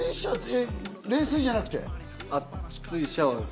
冷水じゃなくて？